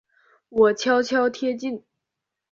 我悄悄贴近